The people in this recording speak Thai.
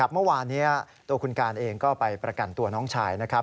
เมื่อวานต้นคุณการย์ไปประกันตัวน้องชาย